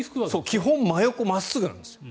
基本真横、真っすぐなんです。